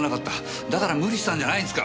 だから無理したんじゃないんですか！